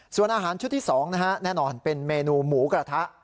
ส่วนอาหารชุดที่๒นะฮะแน่นอนเป็นเมนูหมูกระทะ